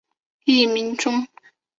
艺名中。